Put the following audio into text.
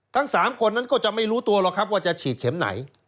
ทั้ง๓คนนั้นก็จะไม่รู้ตัวหรอกครับว่าจะฉีดเข็มไหน